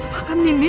makam nindi dipindah